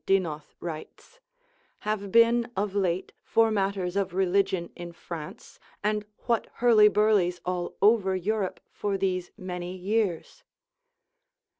Dinoth writes) have been of late for matters of religion in France, and what hurlyburlies all over Europe for these many years.